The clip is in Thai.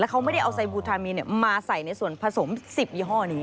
เขาไม่ได้เอาไซบูทามีนมาใส่ในส่วนผสม๑๐ยี่ห้อนี้